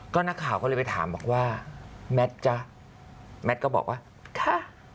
ก็นักข่าวก็เลยไปถามบอกว่าแมทจ๊ะแมทก็บอกว่าค่ะ